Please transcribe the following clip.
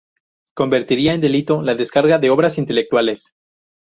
convertiría en delito la descarga de obras intelectuales